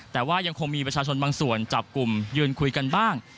แต่ว่ายังคงมีประชาชนบางส่วนจับกลุ่มยืนคุยกันบ้าง